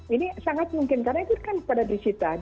ini sangat mungkin karena itu kan pada disita